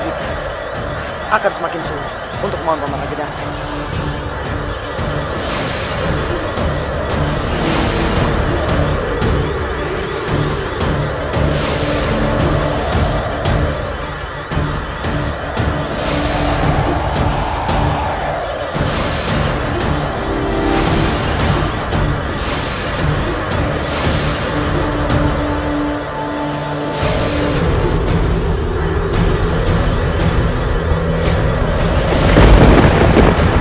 kita berdua tidak mungkin bisa menembus